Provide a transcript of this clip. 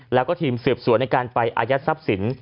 แล้วก็ทีมสืบสวนในการไปอายัดทรัพย์สิน